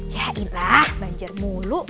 cahin lah banjir mulu